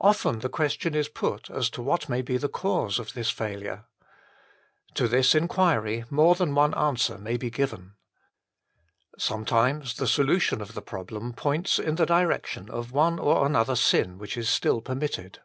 Often the question is put as to what may be the cause of this failure. To this inquiry more than one answer may be given. Sometimes the solution of the problem points in the direction of one or another sin which is still permitted.